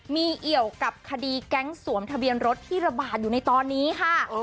มีเอี่ยวกับคดีแก๊งสวมทะเบียนรถที่ระบาดอยู่ในตอนนี้ค่ะ